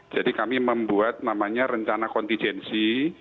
jadi kami membuat namanya rencana kontijensi